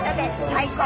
最高！